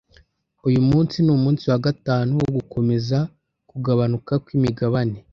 Uyu munsi numunsi wa gatanu wo gukomeza kugabanuka kwimigabane.